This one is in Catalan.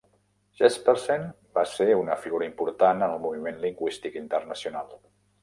Jespersen va ser una figura important en el moviment lingüístic internacional.